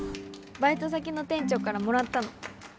バイト先の店長からもらったの。